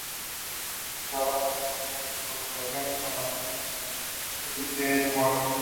Trabajó en estrecha colaboración con su mujer, la escritora C. L. Moore.